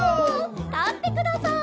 たってください！